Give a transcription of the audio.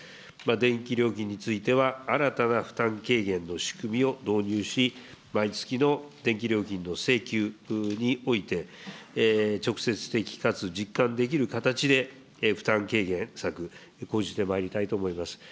電気料金については、新たな負担軽減の仕組みを導入し、毎月の電気料金の請求において、直接的かつ実感できる形で負担軽減策、講じてまいりたいと思います。